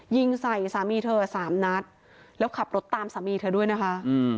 ยิงใส่สามีเธอสามนัดแล้วขับรถตามสามีเธอด้วยนะคะ